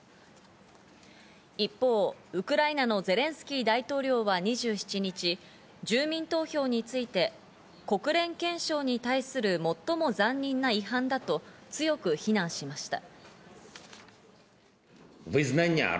一方、ウクライナのゼレンスキー大統領は２７日、住民投票について、国連憲章に対する最も残忍な違反だと強く非難しました。